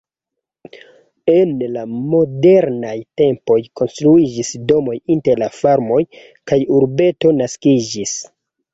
En la modernaj tempoj konstruiĝis domoj inter la farmoj kaj urbeto naskiĝis.